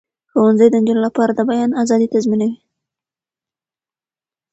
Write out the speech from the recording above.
ښوونځي د نجونو لپاره د بیان آزادي تضمینوي.